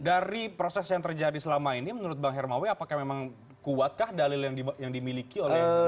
dari proses yang terjadi selama ini menurut bang hermawet apakah memang kuatkah dalil yang dimiliki oleh yang ke dua